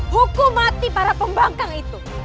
hukum mati para pembangkang itu